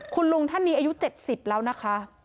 คุณลุงท่านนี้อายุ๗๐แล้วนะคะ